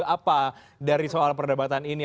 apa dari soal perdebatan ini